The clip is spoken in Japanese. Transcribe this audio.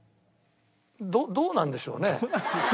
どうなんでしょう。